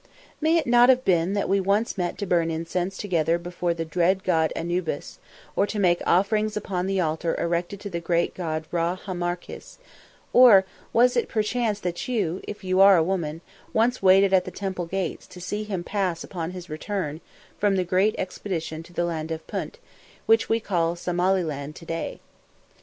May it not have been that we once met to burn incense together before the dread god Anubis, or to make offerings upon the altar erected to the great god Ra Hamarkhis; or was it perchance that you, if you are a woman, once waited at the temple gates to see him pass upon his return from the great expedition to the land of Punt, which we call Somaliland to day?